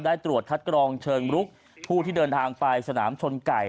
ตรวจคัดกรองเชิงรุกผู้ที่เดินทางไปสนามชนไก่